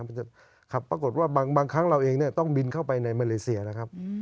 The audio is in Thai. ปรากฏว่าบางครั้งเราเองต้องบินเข้าไปในมาเลเซียนะครับ